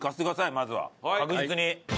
まずは確実に。